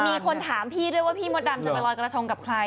มีคนถามพี่ด้วยว่าพี่มดดำจะไปลอยกระทงกับใคร